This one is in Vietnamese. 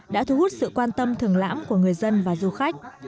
đã thu hút sự quan tâm thường lãm của người dân và du khách